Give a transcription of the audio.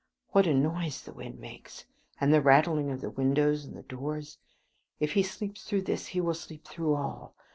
What a noise the wind makes, and the rattling of the windows and the doors. If he sleeps through this he will sleep through all.